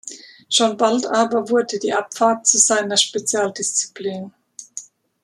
Schon bald aber wurde die Abfahrt zu seiner Spezialdisziplin.